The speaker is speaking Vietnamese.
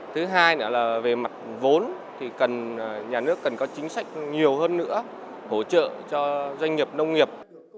thứ hai nữa là về mặt vốn thì nhà nước cần có chính sách nhiều hơn nữa hỗ trợ cho doanh nghiệp nông nghiệp